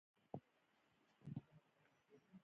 د کرنې وسایل د کاري سرعت زیاتوي.